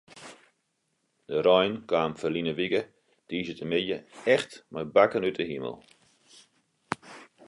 De rein kaam ferline wike tiisdeitemiddei echt mei bakken út de himel.